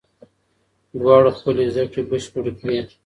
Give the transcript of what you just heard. دواړو خپلې زده کړې بشپړې کړې.